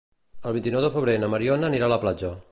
El vint-i-nou de febrer na Mariona anirà a la platja.